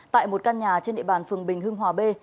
tại một căn nhà trên địa bàn phường bình hưng hòa b